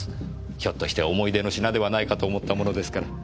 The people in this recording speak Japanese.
ひょっとして思い出の品ではないかと思ったものですから。